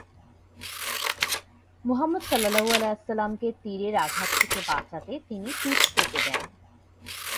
মুহাম্মদ স কে তীরের আঘাত থেকে বাঁচাতে তিনি পিঠ পেতে দেন।